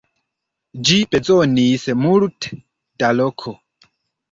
Ĝi bezonis multe da loko.